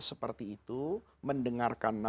seperti itu mendengarkan